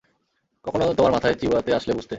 কখনো তোমার মাথায় চিবাতে আসলে বুঝতে।